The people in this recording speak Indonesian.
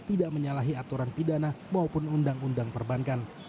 tidak menyalahi aturan pidana maupun undang undang perbankan